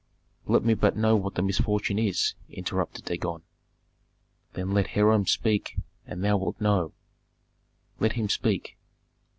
"Let me but know what the misfortune is," interrupted Dagon. "Then let Hiram speak and thou wilt know." "Let him speak."